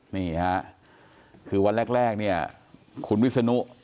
นี่ฮะคือวันแรกเนี่ยคุณวิศนุ